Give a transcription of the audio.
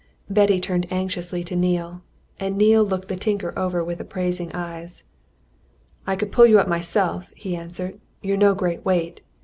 Betty turned anxiously to Neale, and Neale looked the tinker over with appraising eyes. "I could pull you up myself," he answered. "You're no great weight.